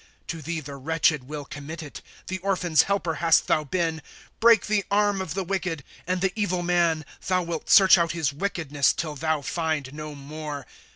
To thee the wretched will commit it ; The orphan's helper hast thou been. ^^ Break the arm of the wicked ; And the evil man, thou wilt search out his wickedness till thou find no more.